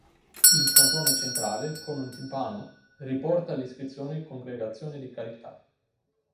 Il frontone centrale con un timpano riporta l'iscrizione "Congregazione di Carità".